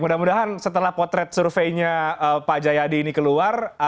mudah mudahan setelah potret surveinya pak jayadi ini keluar